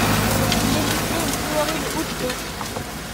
Il existait une seigneurie de Houtkerque.